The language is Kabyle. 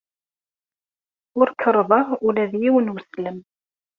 Ur kerrḍeɣ ula d yiwen n weslem.